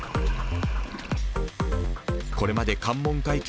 これまで関門海峡